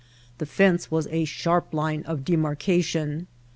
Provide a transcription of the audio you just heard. The fence was a sharp line of demarcation.